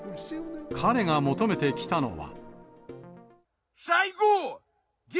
彼が求めてきたのは。